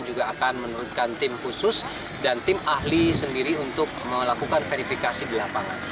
juga akan menurutkan tim khusus dan tim ahli sendiri untuk melakukan verifikasi di lapangan